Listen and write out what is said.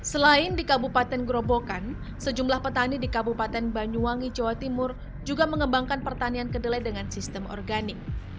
selain di kabupaten gerobokan sejumlah petani di kabupaten banyuwangi jawa timur juga mengembangkan pertanian kedelai dengan sistem organik